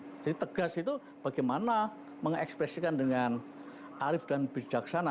jadi tegas itu bagaimana mengekspresikan dengan arif dan bijaksana